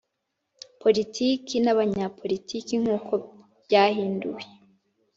politiki n abanyapolitiki nk uko ryahinduwe